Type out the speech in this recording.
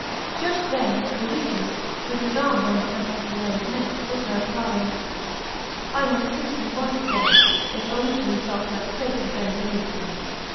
Just then Luigi, with his arm round Pantasilea's neck, was heard crying: "I must kiss you once again, if only to insult that traitor Benvenuto."